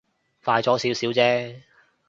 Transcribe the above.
快咗少少啫